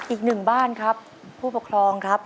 อีกหนึ่งบ้านครับผู้ปกครองครับ